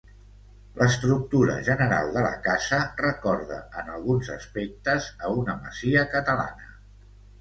L'estructura general de la casa, recorda en alguns aspectes a una masia catalana.